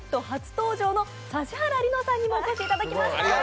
初登場の指原莉乃さんにもお越しいただきました。